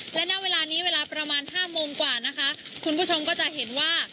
และณเวลานี้เวลาประมาณห้าโมงกว่านะคะคุณผู้ชมก็จะเห็นว่า